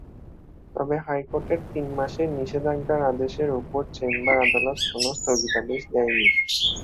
তবে হাইকোর্টের তিন মাসের নিষেধাজ্ঞার আদেশের ওপর চেম্বার আদালত কোনো স্থগিতাদেশ দেননি।